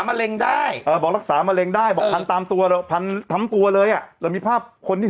มะเร็งได้ว่าเราบอกแล้วซ้ำมาเริงได้บ่ทานตัวเราพันทั้งตัวเลยอ่ะเรามีภาพคนที่